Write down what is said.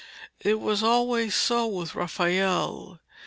It was always so with Raphael.